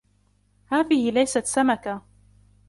هذه ليست سمكة.